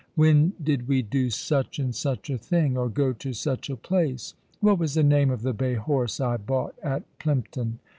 When did Tv'e do such and such a thing — or go to such a place ? What was the name of the bay horse I bought at Plympton?